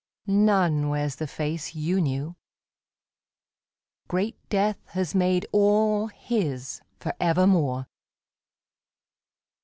None wears the face you knew. Great death has made all his for evermore.